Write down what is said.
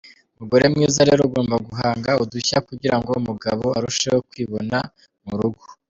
Mugore mwiza rero ugomba guhanga udushya kugira ngo umugabo arusheho kwibona mu rugo.